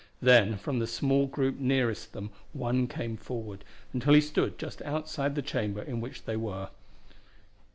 Then from the small group nearest them one came forward, until he stood just outside the chamber in which they were.